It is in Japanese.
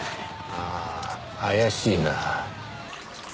ああ怪しいな。